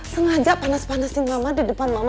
sengaja panas panasin mama di depan mama